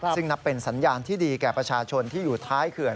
ซึ่งนับเป็นสัญญาณที่ดีแก่ประชาชนที่อยู่ท้ายเขื่อน